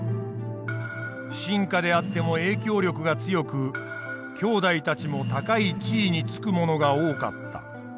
臣下であっても影響力が強く兄弟たちも高い地位につく者が多かった。